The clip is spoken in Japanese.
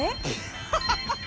ハハハハ！